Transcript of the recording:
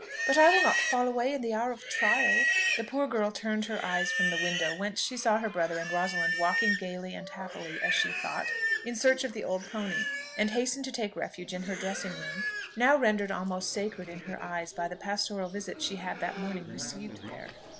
But I will not fall away in the hour of trial!" The poor girl turned her eyes from the window whence she saw her brother and Rosalind walking gaily and happily, as she thought, in search of the old pony, and hastened to take refuge in her dressing room, now rendered almost sacred in her eyes by the pastoral visit she had that morning received there.